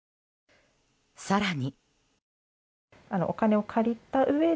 更に。